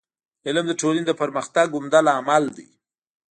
علم د ټولني د پرمختګ عمده لامل دی.